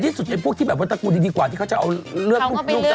หรือว่าผู้ชายก็ไม่ได้ซีเรียสไม่เป็นไร